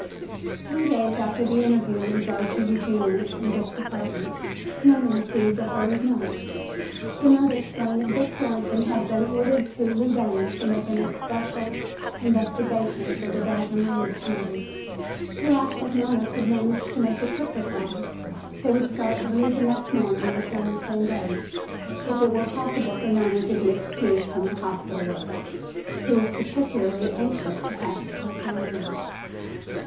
Three days after the interview in regard to Eugenia in Dick's apartment, Nona received a hurried note. The note explained that Dick Thornton had been ordered to Louvain to make an especial investigation for the Belgian Relief Committee. He asked if Nona could manage to make the trip with him. They would start early the next morning and return the same day. If it were possible for Nona to be excused from her hospital work, he was particularly anxious to have her join him.